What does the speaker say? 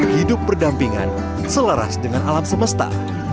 hidup berdampingan selaras dengan alam semesta